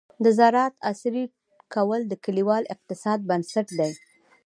د زراعت عصري کول د کليوال اقتصاد بنسټ دی.